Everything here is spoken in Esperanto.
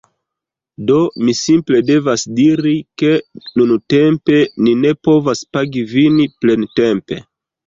Do, mi simple devas diri, ke nuntempe ni ne povas pagi vin plentempe